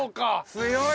強い！